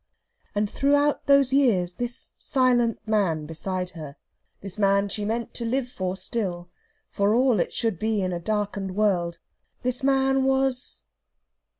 And throughout those years this silent man beside her, this man she meant to live for still, for all it should be in a darkened world this man was